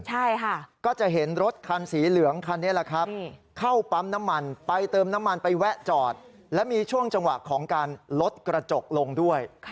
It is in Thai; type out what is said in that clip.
ใช่ค่ะก็จะเห็นรถคันสีเหลืองคันนี้แหละครับเข้าปั๊มน้ำมันไปเติมน้ำมันไปแวะจอดและมีช่วงจังหวะของการลดกระจกลงด้วย